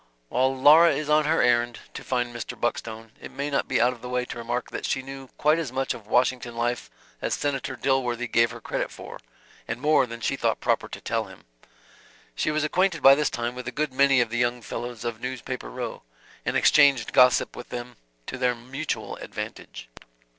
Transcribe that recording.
While Laura is on her errand to find Mr. Buckstone, it may not be out of the way to remark that she knew quite as much of Washington life as Senator Dilworthy gave her credit for, and more than she thought proper to tell him. She was acquainted by this time with a good many of the young fellows of Newspaper Row; and exchanged gossip with them to their mutual advantage.